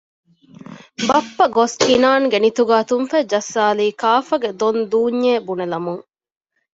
ބައްޕަގޮސް ކިނާންގެ ނިތުގައި ތުންފަތް ޖައްސާލީ ކާފަގެ ދޮންދޫންޏޭ ބުނެލަމުން